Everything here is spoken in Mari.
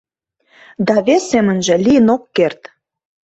Да вес семынже лийын ок керт.